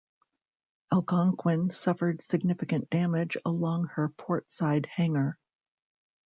"Algonquin" suffered significant damage along her port side hangar.